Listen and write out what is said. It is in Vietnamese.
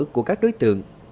của các đối tượng